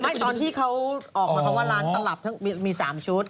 ตอนที่เขาออกมาเพราะว่าร้านตลับทั้งมี๓ชุด